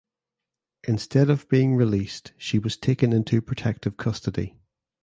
Instead of being released she was taken into protective custody.